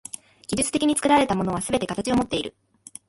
技術的に作られたものはすべて形をもっている。